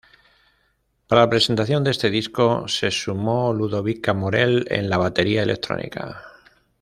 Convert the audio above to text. Para la presentación de este disco, se sumó Ludovica Morell en la batería electrónica.